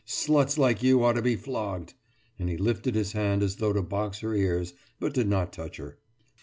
Sluts like you ought to be flogged!« And he lifted his hand as though to box her ears, but did not touch her.